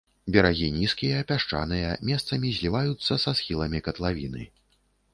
Берагі нізкія, пясчаныя, месцамі зліваюцца са схіламі катлавіны.